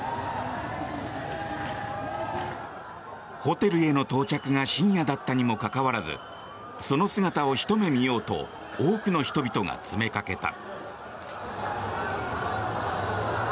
ホテルへの到着が深夜だったにもかかわらずその姿をひと目見ようと多くの人々が詰めかけた。